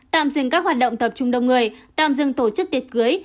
tạm dừng các hoạt động tập trung đông người tạm dừng tổ chức tiệc cưới